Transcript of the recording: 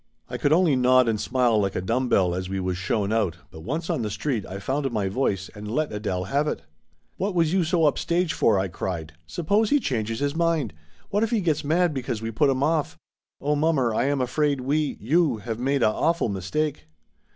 I could only nod and smile like a dumb bell as we was shown out, but once on the street I found my voice and let Adele have it. "What was you so upstage for?" I cried. "Suppose he changes his mind? What if he gets mad because we put him off. Oh, mommer, I am afraid we you have made a awful mistake